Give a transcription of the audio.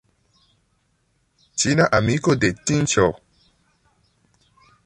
Ĉina amiko de Tinĉjo.